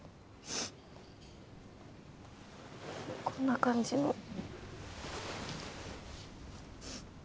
こんな感じの。